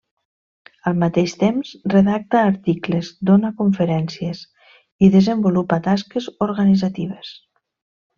Al mateix temps, redacta articles, dóna conferències i desenvolupa tasques organitzatives.